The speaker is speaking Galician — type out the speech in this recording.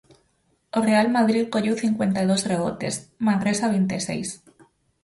O Real Madrid colleu cincuenta e dous rebotes, Manresa vinte e seis.